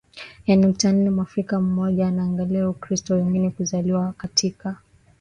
ya nukta nne Mwafrika mmoja anaingia Ukristo Wengine huzaliwa katika